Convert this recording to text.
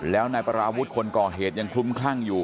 แล้วนายปราวุฒิคนก่อเหตุยังคลุ้มคลั่งอยู่